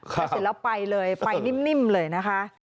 แล้วเสร็จแล้วไปเลยไปนิ่มเลยนะคะ